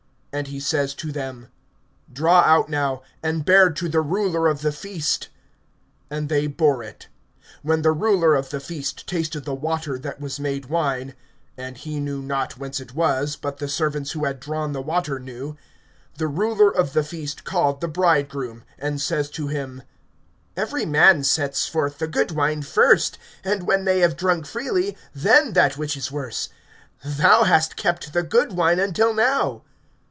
(8)And he says to them: Draw out now, and bear to the ruler of the feast. And they bore it. (9)When the ruler of the feast tasted the water that was made wine (and he knew not whence it was, but the servants who had drawn the water knew), the ruler of the feast called the bridegroom, (10)and says to him: Every man sets forth the good wine first; and when they have drunk freely, then that which is worse. Thou hast kept the good wine until now.